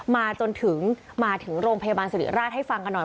มาจนถึงมาถึงโรงพยาบาลสิริราชให้ฟังกันหน่อย